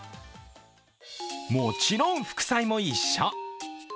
もちろん副菜も一緒。